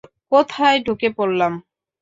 কোথায় ঢুকে পড়লাম?